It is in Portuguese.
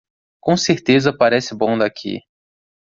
Com certeza parece bom daqui.